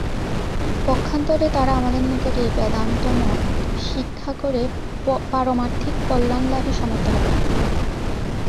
পক্ষান্তরে তারা আমাদের নিকট এই বেদান্তমত শিক্ষা করে পারমার্থিক কল্যাণলাভে সমর্থ হবে।